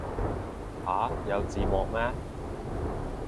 吓有字幕咩